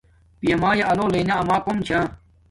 پیامایا آلو لݵنا آما کوم چھا